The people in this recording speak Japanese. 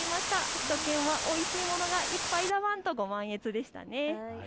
首都圏はおいしいものがたくさんだワン！とご満悦でしたね。